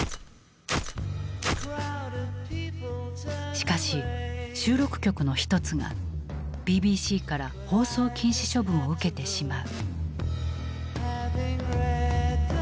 しかし収録曲の一つがＢＢＣから放送禁止処分を受けてしまう。